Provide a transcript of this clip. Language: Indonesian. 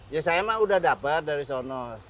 ya saya emang udah dapat dari sono